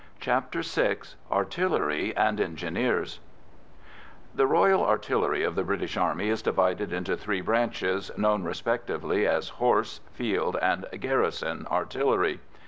CHAPTER VI ARTILLERY AND ENGINEERS The Royal Artillery of the British Army is divided into three branches, known respectively as Horse, Field, and Garrison Artillery.